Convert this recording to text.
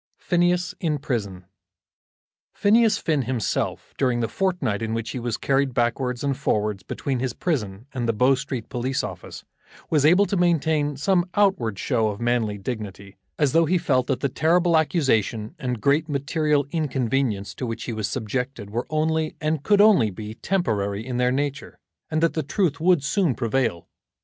PHINEAS IN PRISON. Phineas Finn himself, during the fortnight in which he was carried backwards and forwards between his prison and the Bow Street Police office, was able to maintain some outward show of manly dignity, as though he felt that the terrible accusation and great material inconvenience to which he was subjected were only, and could only be, temporary in their nature, and that the truth would soon prevail.